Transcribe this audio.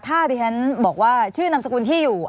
ถ้าที่ฉันบอกว่าชื่อนำสูตรที่อยู่